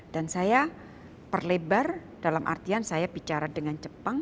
dan saya perlebar dalam artian saya bicara dengan jepang